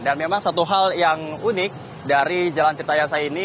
dan memang satu hal yang unik dari jalan tirta yasa ini